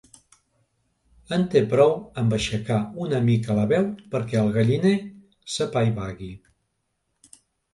En té prou amb aixecar una mica la veu perquè el galliner s'apaivagui.